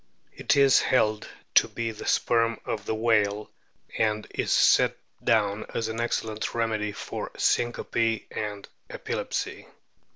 It is held to be the sperm of the whale, and is set down as an excellent remedy for syncope and epilepsy.